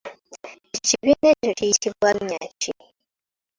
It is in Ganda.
Ekibiina ekyo kiyitibwa linnya ki?